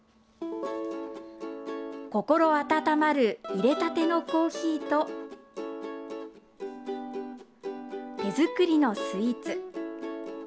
心温まるいれたてのコーヒーと手作りのスイーツ。